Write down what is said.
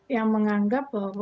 yang menganggap bahwa